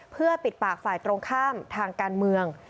เพื่อปิดปากฝ่ายตรงข้ามทางการเมือง